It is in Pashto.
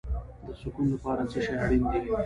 د سکون لپاره څه شی اړین دی؟